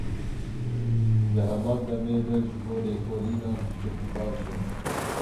Di heman demê de ji bo lêkolînan tiştekî baş e.